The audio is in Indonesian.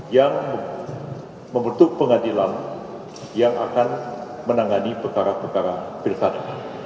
yang membentuk pengadilan yang akan menangani perkara perkara pilkada